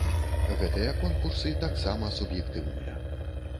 Гэтыя конкурсы таксама суб'ектыўныя.